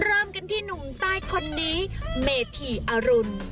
เริ่มกันที่หนุ่มใต้คนนี้เมธีอรุณ